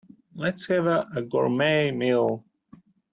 Let's have a Gourmet meal.